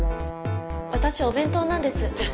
私お弁当なんです。